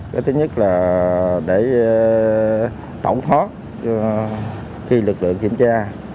cái thứ nhất là để tổng thoát khi lực lượng kiểm tra